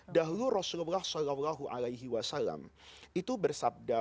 dahulu rasulullah saw itu bersabda